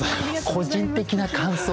個人的な感想。